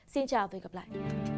xin chào và hẹn gặp lại